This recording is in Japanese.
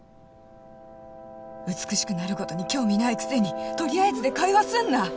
美しくなることに興味ないくせにとりあえずで会話すんな！